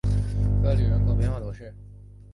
科吕人口变化图示